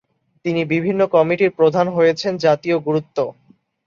তিনি বিভিন্ন কমিটির প্রধান হয়েছেন জাতীয় গুরুত্ব।